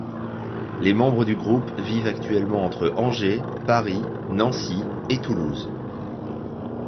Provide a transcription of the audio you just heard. Les membres du groupe vivent actuellement entre Angers, Paris, Nancy, et Toulouse.